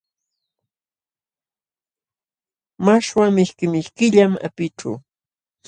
Mashwa mishki mishkillam apićhu.